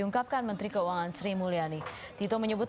keuangan sri mulyani tito menyebut